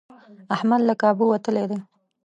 احمد له کابو وتلی دی.